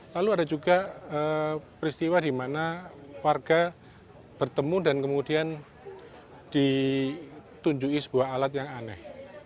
lalu ada juga peristiwa dimana warga bertemu dan kemudian ditunjukkan sebuah alat yang aneh